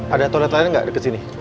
ada toilet lain gak deket sini